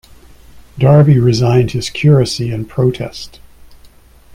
Darby resigned his curacy in protest.